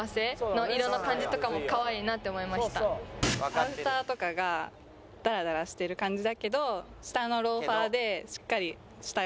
アウターとかがダラダラしてる感じだけど下のローファーでしっかり。